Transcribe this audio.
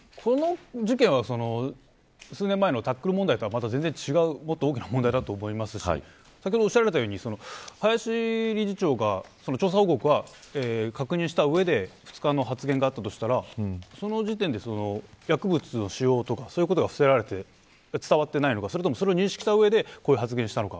この事件は数年前のタックル問題とはまた全然違うもっと大きな問題だと思いますし先ほどをおっしゃったように林理事長が捜査報告を確認した上で２日の発言だったとしたらその時点で、薬物の使用とかそういうことが伏せられて伝わっていないのかそれとも認識した上でのこういう発言なのか。